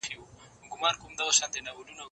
زه اوس د زده کړو تمرين کوم،